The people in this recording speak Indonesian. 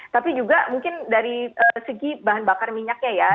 tapi juga mungkin dari segi bahan bakar minyaknya ya